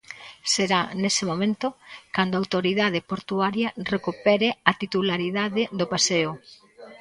Será, nese momento, cando a autoridade portuaria recupere a titularidade do paseo.